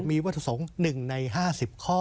มีวัตถุสงค์๑ใน๕๐ข้อ